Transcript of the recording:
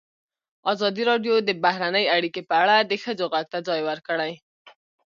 ازادي راډیو د بهرنۍ اړیکې په اړه د ښځو غږ ته ځای ورکړی.